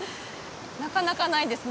なかなかないですね